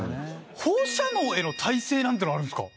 放射能への耐性なんてのあるんですか？